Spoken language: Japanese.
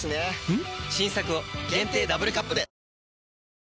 ん？